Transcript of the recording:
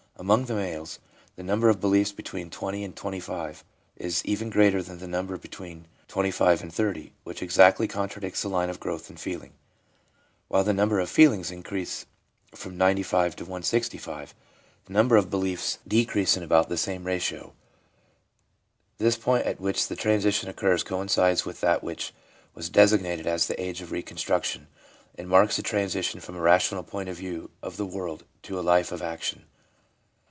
Among the males, the number of beliefs between 20 and 25 is even greater than the number between 25 and 30, which exactly contradicts the line of growth in feeling. While the number of feelings increase from 95 to 165, the number of beliefs decrease ADULT LIFE— RELIGIOUS FEELINGS 335 in about the same ratio. This point at which the transition occurs coincides with that which was desig nated as the age of reconstruction, and marks the transition from a rational point of view of the world to a life of action.